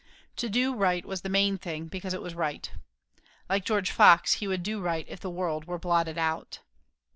To do right was the main thing, because it was right. "Like George Fox, he would do right if the world were blotted out."